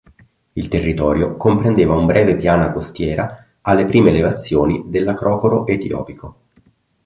Il territorio comprendeva un breve piana costiera a le prime elevazioni dell'Acrocoro etiopico.